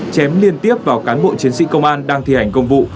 chém liên tiếp vào cán bộ chiến sĩ công an đang thi hành công vụ